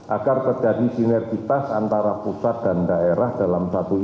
agar terjadi sinergitas antara pusat dan daerah dalam satu ini